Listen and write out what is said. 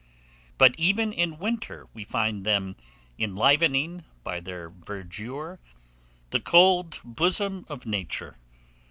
But even in winter we find them enlivening, by their verdure, the cold bosom of Nature.